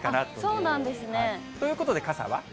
そうなんですね。ということで、傘は？